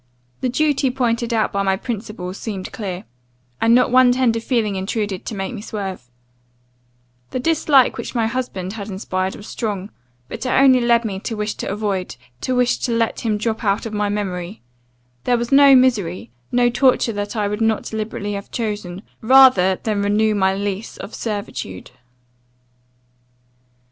The duty pointed out by my principles seemed clear; and not one tender feeling intruded to make me swerve: The dislike which my husband had inspired was strong; but it only led me to wish to avoid, to wish to let him drop out of my memory; there was no misery, no torture that I would not deliberately have chosen, rather than renew my lease of servitude.